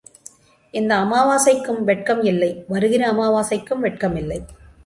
இந்த அமாவாசைக்கும் வெட்கம் இல்லை வருகிற அமாவாசைக்கும் வெட்கம் இல்லை.